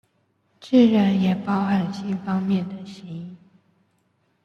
自然也包含性方面的吸引